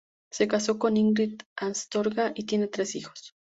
Se casó con Ingrid Astorga y tienen tres hijos.